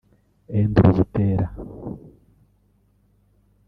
Andrew Butera